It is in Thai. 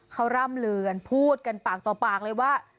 เขาร่ำเลือนพูดกันปากต่อปากเลยว่า